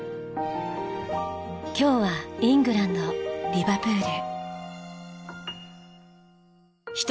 今日はイングランドリバプール。